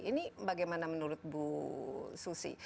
ini bagaimana menurut bu susi